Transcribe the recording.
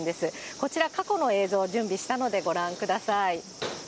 こちら過去の映像を準備したのでご覧ください。